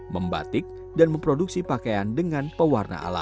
membatik dan memproduksi pakaian dengan pewarna alam